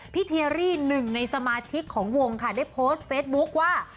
เทียรี่หนึ่งในสมาชิกของวงค่ะได้โพสต์เฟซบุ๊คว่า